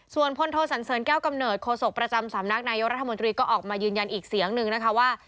ส่วนพลโทสันเสริญแก้วกำเนิดโศกประจำสำนักนายกรัฐมนตรีก็ออกมายืนยันอีกเสียงหนึ่งนะคะว่า